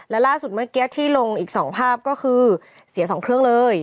และล่าสุดเมื่อกี้ที่ลงอีก๒ภาพก็คือเสีย๒เครื่องเลย